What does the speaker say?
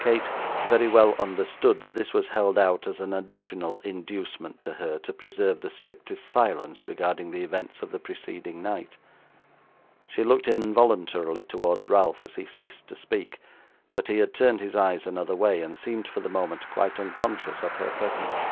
Kate very well understood that this was held out as an additional inducement to her to preserve the strictest silence regarding the events of the preceding night. She looked involuntarily towards Ralph as he ceased to speak, but he had turned his eyes another way, and seemed for the moment quite unconscious of her presence.